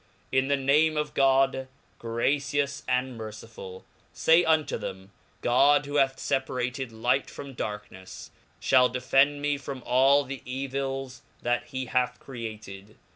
TN the name of God , gracions and •nercj.l] Say unto ^rhem God. who hath feparated light from datKnefs , to" dS me &om all the eviik that he haxh "eated f.